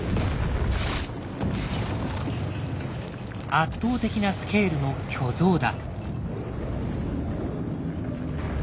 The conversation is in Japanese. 圧倒的なスケールの巨像だ。